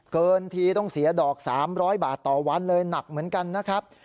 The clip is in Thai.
เกินทีต้องเสียดอก๓๐๐บาทต่อวันเลยหนักเหมือนกันนะครับ